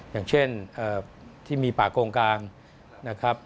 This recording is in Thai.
อย่างเช่นที่มีป่าโกงกลางนะครับ